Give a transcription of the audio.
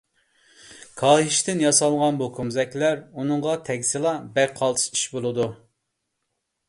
كاھىشتىن ياسالغان بۇ كومزەكلەر ئۇنىڭغا تەگسىلا بەك قالتىس ئىش بولىدۇ.